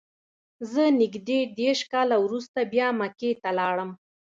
زه نږدې دېرش کاله وروسته بیا مکې ته لاړم.